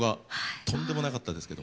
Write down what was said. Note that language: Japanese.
とんでもなかったですけど。